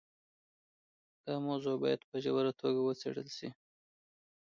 دا موضوع باید په ژوره توګه وڅېړل شي.